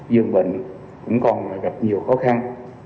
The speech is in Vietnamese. dương bệnh cũng còn gặp nhiều khó khăn